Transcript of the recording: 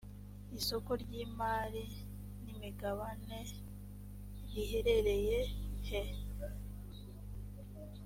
isoko ry imari n imigabaneriheherereye he